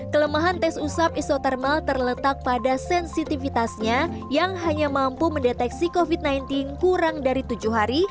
kelemahan tes usap isotermal terletak pada sensitivitasnya yang hanya mampu mendeteksi covid sembilan belas kurang dari tujuh hari